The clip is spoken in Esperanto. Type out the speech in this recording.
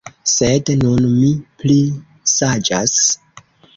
Sed nun mi pli saĝas.